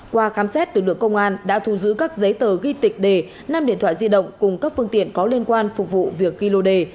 qua khám xét lực lượng công an đã thu giữ các giấy tờ ghi tịch đề năm điện thoại di động cùng các phương tiện có liên quan phục vụ việc ghi lô đề